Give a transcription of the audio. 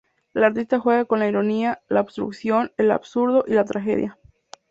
La artista juega con la ironía, la obstrucción, el absurdo y la tragedia.